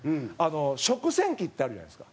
食洗機ってあるじゃないですか。